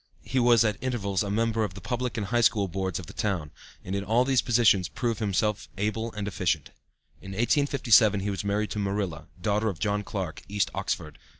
He was at intervals a member of the Public and High School Boards of the town, and in all of these positions proved himself able and efficient. In 1857 he was married to Marilla, daughter of John Clark, East Oxford.